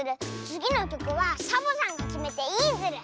つぎのきょくはサボさんがきめていいズル。